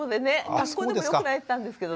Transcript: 学校でもよく泣いてたんですけどね。